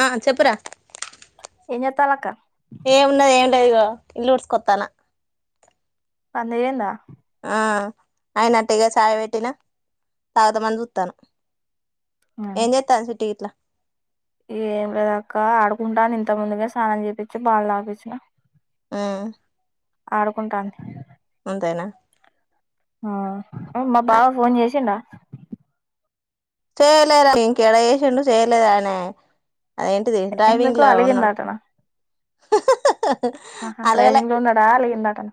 ఆ చెప్పురా త్తలక్క లే ఇగో ఇల్లు ఊడ్సు కొత్తన్న పని తీరిందా ఆ అయినట్టే ఇగా చాయ వేట్టిన తాగుదామనీ చూత్తన్న ఏం చేత్తంది చిట్టీ గిట్లా ఏం లేదక్క ఆడుకుంటంది ఇంత ముందుగా స్నానం చేపిచ్చి బాల్ తగిపిచ్చిన హ్ ఆడుకుంటాంది అంతేనా ఆ మా బావ ఫోన్ చేసిండా చేయాలే రా ఇంకా ఏడ చేసిండు చేయలే ఆయనే అదేంటిది డ్రైవింగ్ ఎందుకు లా ఉన్నాడు అలిగిందటనా ఆహా అలగలే డ్రైవింగ్ లో ఉన్నాడా అలిగిండు అటనా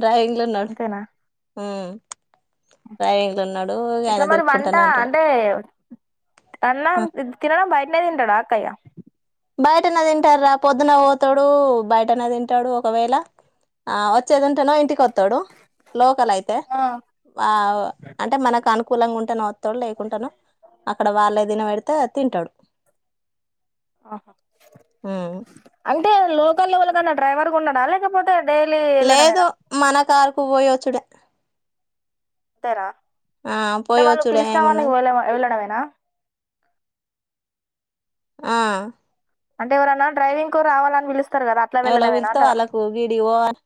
డ్రైవింగ్ లో ఉన్నాడు హ్ డ్రైవింగ్ లో ఉన్నాడు. ఆయన ఇట్లా మరి వంట తిరుక్కుంటానే ఉంటాడు. అంటే హ ట్నే తింటడా అక్కయ్య బయటనే తింటాడు. రా పొద్దునే పోతాడు బయటనే తింటాడు. ఒకవేళ ఆ వచ్చేదుంటెనో ఇంటికి వ త్తడు లోకల్ అయితే వ ఆ అంటే మనకు అనుకు కులంగ ఉంటెన తోడు లేకుంటాను అక్కడ వాళ్ళే తిన వెడితే తింటాడు. హ్మ్ అంటే లోకల్ల వాళ్లకన్నా డ్రైవరుగా ఉన్నడా లేకపోతే డైలీ లేదు వెళ్ళడమేనా మన కార్ వొయ్యి వొచ్చుడె అంతేనా టె వాళ్ళు పిలిచినవాళ్లు ఏమున్నది వెళ్ళ వెళ్ళడమె లా ఆ అంటే ఎవరన్నా డ్రైవింగ్ కు రావాలని పిలుస్ ఎవలా కు పిలిత్తే వాళ్ళకు గిడికి వోవల్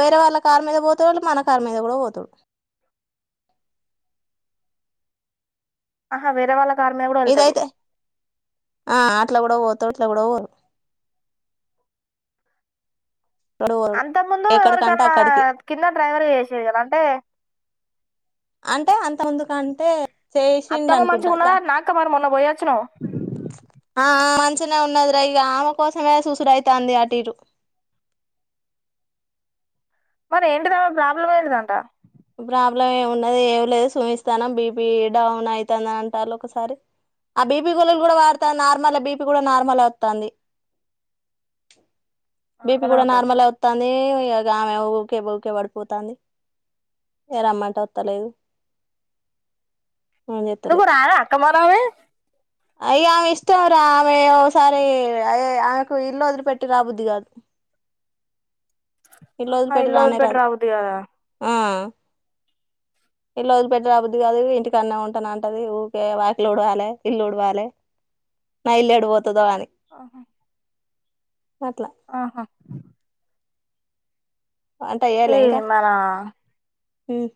వేరే వాళ్ళ కారు మీద పోతాడు. మన కారు మీద కూడా పోతాడు. ఆహా వేరే వాళ్ళ కారు మీద కూడా వెళ్తాడు ఇదైతే ఆ అట్లా కూడా పోతడు ఇట్ల కూడా పో ఎక్కడు పోడు అంత ముందు ఎక్కడికంటే ఎవరికన్నా అక్కడికి కింద డ్రైవర్ గా చేసిండు కదా అంటే అంటే అంత ముందుకంటే చేసిండు అత్తమ్మ అనుకుంటా మంచిగున్నదట్నా అక్క మరి మొన్న పోయి వచ్చినవ్ చిన్నగున్నది రే ఇగ ఆమె కోసమే చూసుడు ఐతాంది అటు ఇటు మరి ఏంటి దామేది ప్రాబ్లం ఏంటిదంట ప్రాబ్లమ్ ఏమున్నది ఏం లేదు సూమిస్తాను బీ పీ డౌన్ ఐతాంది అని అంటారు. ఒకసారి ఆ బీపీ గోళీలు కూడా వాడతా నార్మలె బీ పీ కూడా నార్మలె వత్తాంది బీ పి నార్మలే కూడ ఉంటుందా నార్మలె వత్తాంది అగో ఆమె ఊకే ఊకే పడిపోతాంది ఏ రమ్మంటే వత్తలేదు నువ్వు రా అక్క పోదామే అయ్య ఆమె ఇష్టం రా ఆమె ఓసారి అయ్ ఆమెకు ఇల్లు వదిలిపెట్టి రాబుద్ది కాదు ఆ ఇల్లు వదిలిపెట్టి రాబుద్ధి కాదా ఆ ఇల్లు వదిలి పెట్టి రాబుద్ది కాదు ఇంటికాడ్నే ఉంటానంటది. ఊరికే వాకిలి ఊడవాలే, ఇల్లు ఊడవాలె నా ఇల్లు యేడపోత తుత్తవానే ఆహా అట్ల ఆహా ఈ మన మ్మ్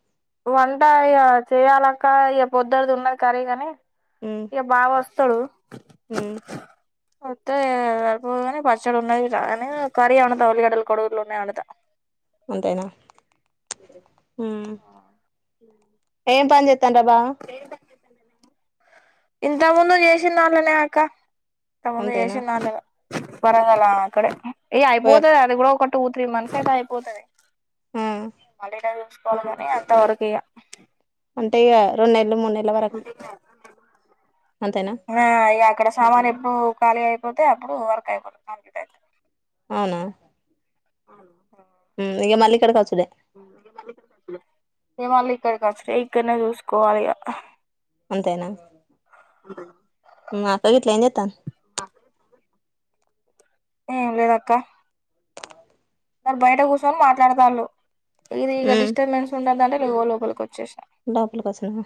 వంట ఏమన్నా చేయ్యాలక్క ఇక పొద్దుటిది ఉన్నది కర్రీ గాని ఇక బాబు వస్తాడు వత్తే పోగానే పచ్చడి ఉన్నాయి గానీ కర్రీ వండుతా ఉల్లిగడ్డలు, కోడిగుడ్లు ఉన్నాయి వండుతా అంతేనా మ్మ్ ఏం పన్ జెప్ తే గదా ఇంతకు ముందు చేసిన దాంట్లోనే అక్క ఇంతకు ముందు అంతేనా చేసింది దాంట్లోనే పరవాలే అక్కడే ఇగ పోయ్ అయిపోతది అది కూడా ఒక టూ, త్రీ మంత్స్ అయితే ఆయిపోతది ఆ మ [unintelligible] అంత వరకు ఇగ అంటే ఇక రొనెల్లు, మూనె నెల వరకు అంతేనా నాయ అక్కడ సామాన్ ఎప్పుడు ఖాళీ అయిపోతే, అప్పుడు వర్క్ అయిపోతుంది. కంప్లీట్ అయితే అవునా అవును ఇక మళ్లీ ఇక్కడికి అచ్చుడే మళ ఇక్కడికిచ్చలేే, ఇక్కడనే చూసుకోవాలి. అంతేనా అత్త గిట్ల ఏం చేస్తాంది. ఏం లేదక్క అరు బయట కూర్చొని మాట్లాడతాళ్ళు. ఇది ఈక డిస్టర్బెన్స్ ఉంటది అంటే యువ లోపలికి వచ్చేసిన లోపులకివచ్చిన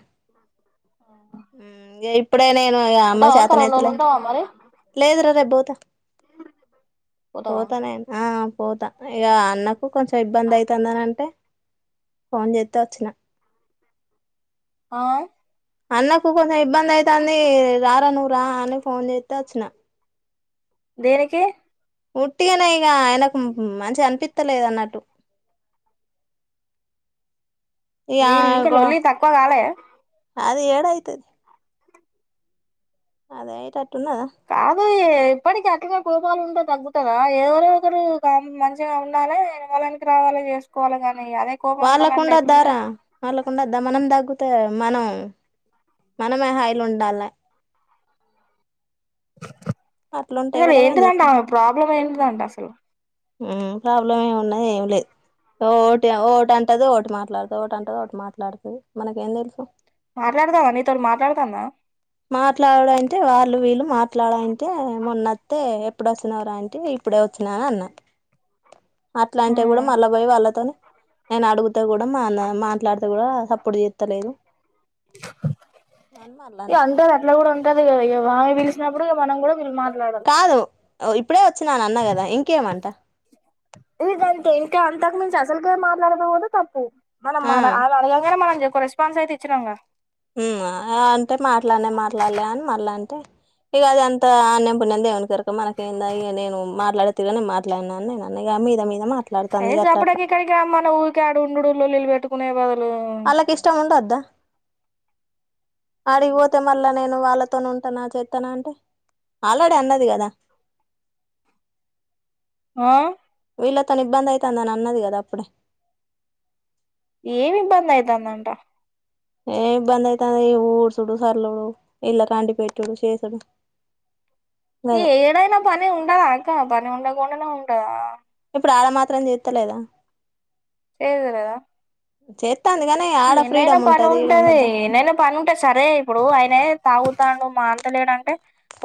ఏ ఇప్పుడనే అమ్మ ఉంటావా అక్క చేతన రెండు రోజులు అయితులే ఉంటావా మరి లేదురా రే పోతా పోతావా పోతానేను. ఆ పోతా ఇక అన్న కొంచెం ఇబ్బంది అవుతుందని అంటే ఫోన్ చెత్తే వచ్చిన ఆ అన్నకు కొంచెం ఇబ్బంది అయితాంది. రారా నువ్వు రా అని ఫోన్ చేత్తే వచ్చిన. దేనికి ఉట్టిగానే ఇక ఆయనకు మంచిగా అనిపిత్త లేదు అన్నట్టు. ఇగ వీళ్ళు ఇంక ఆమెకు లోల్లి తక్కువ కాలే అది ఏడైతది. అదైతే ఉన్నదా ఇ ఇప్పటికి అట్లాగా కోపాలు ఉండే తగ్గుతందా. ఎవరో ఒకరు దాన్ని మంచిగా ఉండాలే, ఎనకడానికి రావాల చేసుకోవాలి ని వాళ్లకుండద్దారా, వాళ్ళకండద్దా మనం దగ తకతే మనం మనమే హాయిలు ఉండాలి. ఉక్ అసలు ఏంటి తంటా చేత్తం ప్రాబ్లం ఏయింటి తంట అసలు ఉమ్ ప్రాబ్లం ఏమి ఉన్నది ఏమి లేదు. ఒటి అంటది ఒటి మాట్లాడుతంది. ఒటి అంటది ఒటి మాట్లాడుతంది. మనకు ఏం తెలుసుఏ మాట్లాడతావా, నీతో మాట్లాడుతాందా. మాట్లాడడం అంటే వాళ్ళు వీళ్ళు మాట్ మాట్లాడటే మొన్నత్తే ఎప్పుడు వచ్చినావ్ రా అంటే ఇప్పుడే వచ్చినా అన్న. అట్లాంటే కూడా మళ్ల పోయి వాళ్ళతోని నేను అడుగుతే కూడా మా అన్నయ్య మాట్లాడితే కూడా సప్పుడు జేత్తలేదు. అన్ని అల్లనే ఇట్ల కూడుంటదు కదా ఎ వాళ్లు పలిసినప్పుడు ఇక మనం కూడా పిల్మా కాదు ఓయ్ ఇప్పుడే వచ్చినాన్నగదా ఇంకేమంట నువ్వే మాట్లాడదామంటే తప్పు మనం ఆ మాన ఆమె అడగంగానే మనం చెక్కొరోస్ ఫార్మ్సయితే ఇచ్చినామ్ గా ఇమ్ ఆ అంటే మాట్లాన్నే మాట్లాల్లా అని మళ్లా అంటారు ఇక అది అంతొ అన్యం పుణ్యం దేవునికెరక మనకేందని ఇక నేను మాట్లాడే తీరుగా నేను మాట్లాడినాని నేనన్నగా మీద మీద ఏ మాట్లాడుతుంది అట్లా అట్లా సప్పుడికిక్కడికి రమ్మను ఊరి ఆడుండుడు లొల్లి పెట్టు కొనే బదులు ఆల్లకిష్టం ఉండద్దా ఆడిక్వోతే మల్ల నేను వాళ్ళతోనుంటనా చేత్తనా అంటే ఆల్రెడి అన్నది కదా ఆ వీళ్ళతోనిబ్బందయితాందని అన్నది కదా అప్పుడు ఏమిబ్బందయితాందంట ఏమిబ్బందయితాంది ఊడ్సుడూ సల్లుడు ఈళ్లకందిపెట్టుడు సేసుడు ఏ ఏడైనా పని ఉండదా అక్క పని ఉండక దొండనే ఉండదా ఇప్పుడు ఆడ మాత్రం చేత్తలేదా [unintelligible] చేత్ ఎన్నైనా పని ఉంటది ఎన్నైనా పని ఉంటది సరే ఇప్పుడు ఆయనే తాగుతాండు మాన్తలేడు అంటె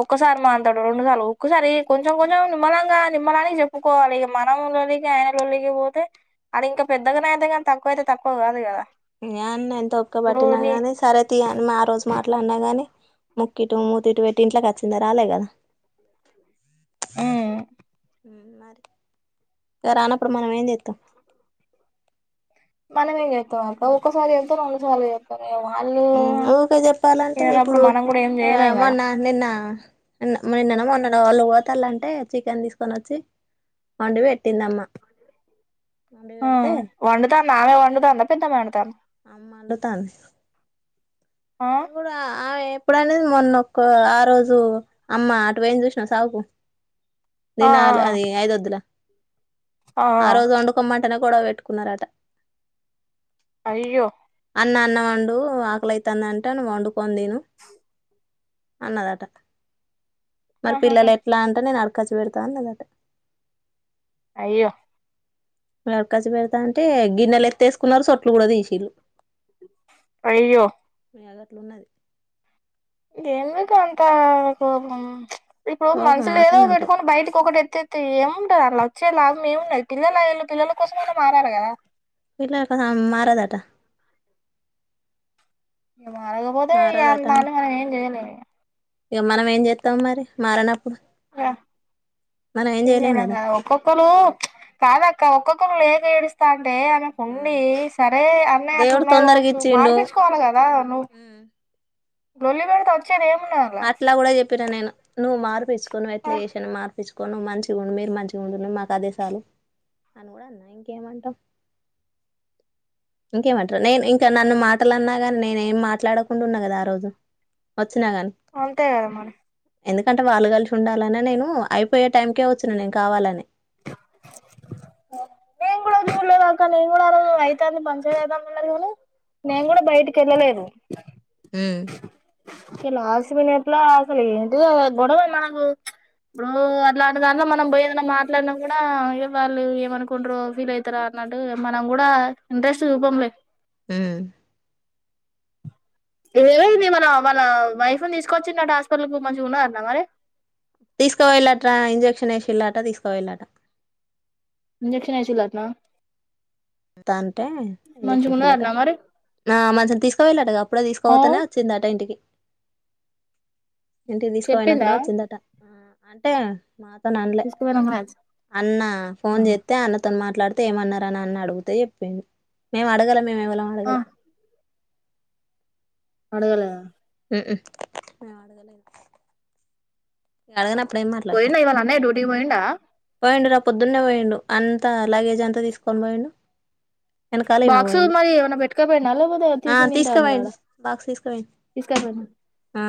ఒక్కసారి మాంతడు రెండుసార్లు ఒక్కసారి కొంచెం కొంచెం నిమ్మలంగా నిమ్మలానికి చెప్పుకోవాలిగ మనం లొల్లికి ఆయన లొల్లికి పోతే అది ఇంక పెద్దగనే అయ్యిది గాని తక్కువ అయితే తక్కువ కాదు గద ఇగ ఆ అన్న ఎంత ఓపిక పట్టిన గానీ సరే తీ అని ఆ రోజు మాట్లాన్న గాని ముక్కిటు మూతిటు పెట్టి ఇంట్లేకచ్చింద రాలే గద ఉమ్ ఇక రానప్పుడు మనం ఏం జేత్తం మనమేమ్ చేత్తం అబ్బ ఒక్కసారి చెత్తాం రెండుసార్లు చెత్తాం ఊకె చెప్పాలంటే విననప్పుడు ఇప్పుడు మనం కూడా ఏం ఆ చేయలేం కదా మొన్న నిన్న నిన్న నిన్ననో మొన్ననో వాళ్ళు ఓతల్లంటె చికెన్ తీసుకొనొచ్చి వండి పెట్టిందమ్మ వండి ఆ పెడితే వండుతాంది ఆమె వండుతాందా పెద్దమ్మ వండుతాందా అమ్మండుతాంది ఆ ఇప్పుడనేది మొన్నక్కో ఆ రోజు అమ్మ అటు పోయింది చూసినవ్ సావుకు ఆ దీనాల్ అది ఐదు వద్ల ఆ రోజు వండుకమ తనగొడవ పెట్టుకున్నారట అయ్యో అన్న అన్న మండు ఆక్లై అతుందంటే అని వండుకోని తను అన్నదట మరి ఆహాహా పిల్లలు ఎట్లా అంటే నేను అ అక్కచ పెడతాదట్ట అయ్యో మరకాసి పెడతా అంటే గిన్నెలు ఎత్తేసుకున్నారు చొట్లు కూడా తీసింలు అయ్యో అది అట్లా ఉన్నది ఏమికు అంత కోపం ఇప్పుడు కోపం మనుషులు ఏదో అట్లనే ఉంటుంది పెట్టుకొని బయటకి ఒకటి ఎత్త్ ఏముంటది అలా వచ్చే లాభం ఏముండదు పిల్లలుళ పిల్లల కోసమైనా మారారు కదా పల క మారదాటా మరగపోతే ఈ నాలు మరం చేయలే ఇక మనం ఏం చేస్త మనం ఏం ఏంలా చేయలేం కదా ఒక్కొక్కరు కాదక్క ఒక్కొక్కరు లే ఎడుస్థ అంటే ఆమెకు ఉండి సరే అన్నయ అట్లు దేవుడు తొందరగా ఉన్నాడుకోవచ్చు ఇచ్చిండు మార్పించుకోవాలి కదా నువ్వు రల్ బేళ త ఏమన్నా న నువవు మార్పిసు ఎట్ల చేషన్ మార్పిు ను మంచిగా ఉండు మీరు మంచిగా ఉండు మాకు అదే చాలు అని కూడా అన్నా ఇంకేమంటాం ఇంకేమంటారు నేను ఇంకా నన్ను మాటలు అన్నా కాని నేనే ఏం మాట్లాడకుండా ఉన్నా కదా ఆ రోజు వచ్చినా గాని అంతే కదామ్ మన ఎందుకంటే వాళ్ళు కలిసి ఉండాలనే నేను అయిపోయే టైంకే వచ్చును నేను కావాలని నేను కూడా చఊర్లేదకా నేను కూడా ఆ రజు రైతాని పంచ చేద్దాంన్నారు కానీ నేను కూడా బయటికి వెళ్ళలేదు ఉమ్ లాస్ట్ మినిట్ లో అసలు ఏంటి గొడవ మనకు ఇప్పుడు అట్లాంటి దాంట్లో మనం పో ఏదనా మాట్లాడినా కూడా వాళ్ళు ఏమనుకుంట్ర ఫీల్ అవుతారా అన్నట్టు మనం కూడా ఇంట్రెస్ట్ చూపంలే ఉమ్ ఇదేవ ఇది మన మన వైఫ్ ను తీసుకొచ్చిన్నట్టు హాస్పిటల్ మంచిగా ఉన్నారన్న మరి తీసుకో వెళ్ళట ఇంజెక్షన్ వేసి వెళ్ళట తీసుకో వెళ్ళట ఇంజెక్షన్ అషలాదున్నా అ అంటే ఇంక్షన్ల్ళట ఉన్నదటనా మరి ఆ మంచిం తీసుకువెళ్ళట అప్పుడే ఆ తీసుకోపోతనే వచ్చిందట ఇంటికి ఏంటి తీసుకుపోనాక చెప్పిందా చిందట అంటే. మాతోన అన్లే తీసుకుపోయినాం కదా అన్న ఫోన్ ఆహా చేస్తే అన్నతో మా. మాట్లాడితే ఏమన్నారు అని అన్నాడు. మేము అడగలను మేం. ఆహ్ ఆ అడగలే. అడగలే. అడుగనపు. పోయిండా ఇవాళ అన్నయ్య డ్యూట్. డ్యూటీకి పోయిండా. పోయిండు రా పొద్దున్నే పోయిండు అంతా లగేజ్ అంతా తీసుకోని పోయిండు. వెనకాల ఈమె బాక్సు పోయింది మరి ఏమైనా పెట్టుకపోయిండ లేకపోతే ఆ టిఫిన్ తింటా ఉన్నాడాడ తీసుకుపోయిండు బాక్స్ తీసుకుపోయిండు తీసుకపోయిడ ఆ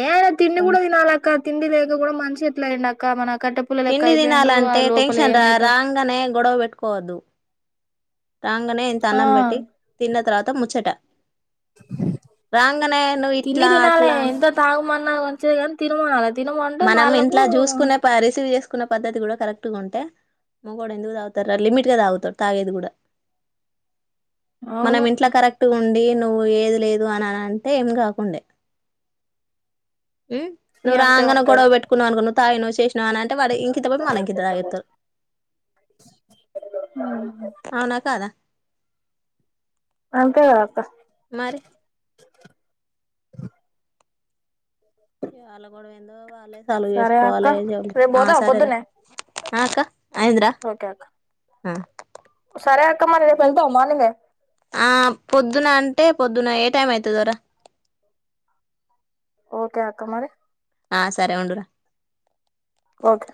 ఏ అడ తిండి కూడా తీసుకుపోయిండు తినాలక్క తిండి లేక కూడా మనిషి ఎట్. ఎట్లేండాక్క మన. కట్టెపుల్ల లెక్క తిండి అయిపోయిండు ఆ తినాలంటే లోపల టెన్షన్ రా ఏమైత రాంగనే గొడవ పెట్టుకోవద్దు. రాంగనే ఇంత ఆ అన్నం పెట్టి తిన్న తర్వాత. కొత్త ముచ్చట. రాంగనే నువ్వు ఇట్లా అట్లా అని. ఆహ్ ఒచ్చే గన్ తినమనలే. మనం ఇంట్లా చూసుకునే పరిస్థితి తెస్. తీసుకున్న పద్ధతి కూడా కరెక్ట్ గా ఉంటే. మగడు ఎందుకు తాగుతాడు రా. లిమిట్ గా తాగుతాడు తాగేది కూడా. మనం అవును ఇంట్లా కరెక్ట్గా ఉండి. నువ్వు ఏది లేదు అని అంటే ఏం కాకుండే. ఇగ నువ్వు అంతే రంగానవ్. ఉంటది గోడవ పెట్టుకున్నావు అనుకో నువ్. తాగినవ్ చేస్. నా అంటే వాడు ఇంకింత పోయి మల్ల ఇంకిత తాగేతాడు అవునా కాదా. అంతే గదా. కా. మరి వాళ్ళగోడవ ఎందో వాళ్ళే. సాల్వ్ సరే అక్క చేసుకోవాలి చెపు రేపు ఆహ్ పోదామా సరేరా. పొద్దున్నే ఆహ్ అక్క. ఓకే అక్క. ఉమ్ సరేక్క మరీ రిపెల్తవ మార్నింగే. ఆహ్ పొద్దున అంటే పొద్దున ఏ టైం అయితాదొర. ఒకే అక్క మరి ఆ సరే ఉండురా ఓకే